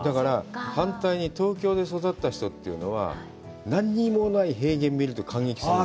反対に東京で育った人というのは、何にもない平原見ると感激するの。